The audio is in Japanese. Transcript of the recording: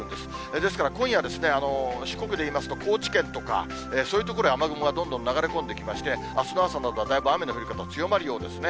ですから、今夜、四国で言いますと、高知県とか、そういう所へ雨雲がどんどん流れ込んできまして、あすの朝などはだいぶ雨の降り方も強まるようですね。